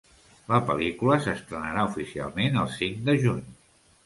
La pel·lícula s'estrenarà oficialment el cinc de juny.